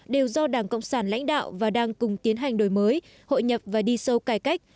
đều do đảng cộng sản lãnh đạo và đang cùng tiến hành đổi mới hội nhập và đi sâu cải cách